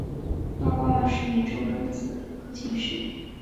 道光二十年中庚子科进士。